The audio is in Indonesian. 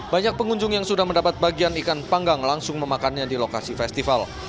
banyak pengunjung yang sudah mendapat bagian ikan panggang langsung memakannya di lokasi festival